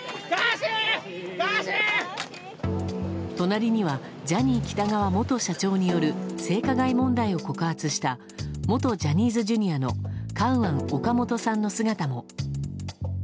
隣にはジャニー喜多川元社長による性加害問題を告発した元ジャニーズＪｒ．のカウアン・オカモトさんの姿も。